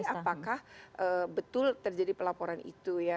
apakah betul terjadi pelaporan itu ya